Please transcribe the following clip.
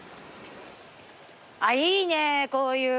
いいねこういう。